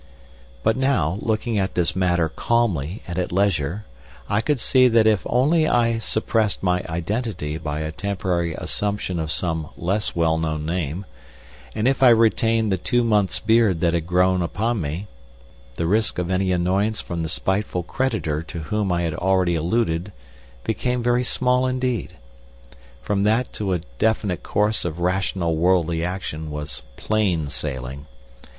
But now, looking at this matter calmly and at leisure, I could see that if only I suppressed my identity by a temporary assumption of some less well known name, and if I retained the two months' beard that had grown upon me, the risks of any annoyance from the spiteful creditor to whom I have already alluded became very small indeed. From that to a definite course of rational worldly action was plain sailing.